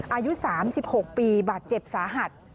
อายุ๓๖ปีบาดเจ็บสาหัส